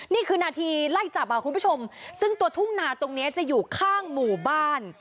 นี่คือนาทีไล่จับอ่ะคุณผู้ชมซึ่งตัวทุ่งนาตรงเนี้ยจะอยู่ข้างหมู่บ้าน